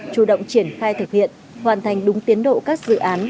chủ động triển khai thực hiện hoàn thành đúng tiến độ các dự án